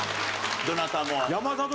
どなたも。